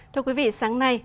thưa quý vị sáng nay